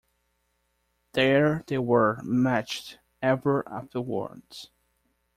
There they were, matched, ever afterwards!